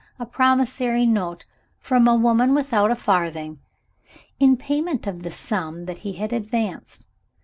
ha! a promissory note from a woman without a farthing! in payment of the sum that he had advanced.